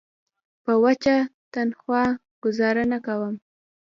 په وچه تنخوا ګوزاره نه کوم.